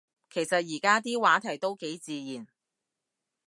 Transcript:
其實而家啲話題都幾自然